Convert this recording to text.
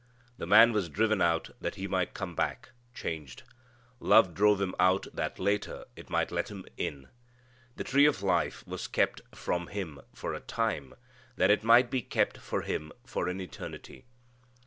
The man was driven out that he might come back changed. Love drove him out that later it might let him in. The tree of life was kept from him for a time that it might be kept for him for an eternity.